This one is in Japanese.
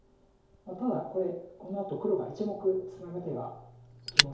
ただこれこのあと黒が１目ツナぐ手が気持ちいいんで。